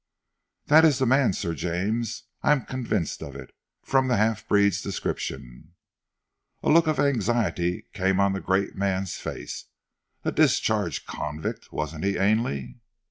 "That is the man, Sir James; I am convinced of it, from the half breed's description." A look of anxiety came on the great man's face. "A discharged convict, wasn't he, Ainley?"